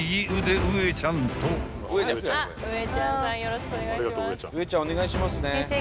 ウエちゃんお願いしますね。